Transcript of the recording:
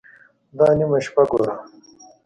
_دا نيمه شپه ګوره!